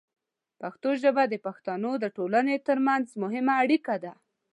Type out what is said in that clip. پښتو ژبه د پښتنو د ټولنې ترمنځ مهمه اړیکه ده.